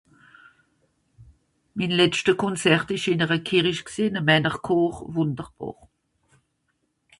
min letschte konzert esch ìn'r à kerìsch g'sìn àm einer chòr wùnderbàr